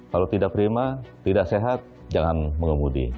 kalau tidak prima tidak sehat jangan mengemudi